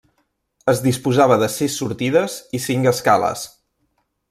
Es disposava de sis sortides i cinc escales.